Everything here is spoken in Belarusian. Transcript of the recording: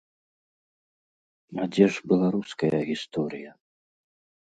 А дзе ж беларуская гісторыя?